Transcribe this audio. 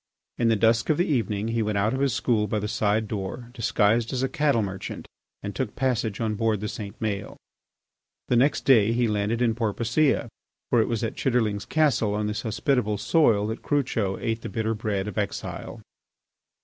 In the dusk of the evening he went out of his school by the side door, disguised as a cattle merchant and took passage on board the St. Maël. The next day he landed in Porpoisea, for it was at Chitterlings Castle on this hospitable soil that Crucho ate the bitter bread of exile.